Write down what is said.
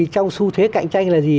trong xu thế cạnh tranh là gì